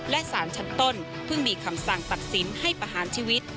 และสารชั้นต้นเพิ่งมีคำสั่งตัดสินให้ประหารชีวิต